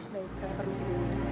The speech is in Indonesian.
baik saya permisi dulu